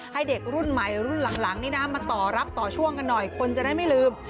ให้เด็กรุ่นใหม่รุ่นหลังนี่นะมาต่อรับต่อช่วงกันหน่อยคนจะได้ไม่ลืม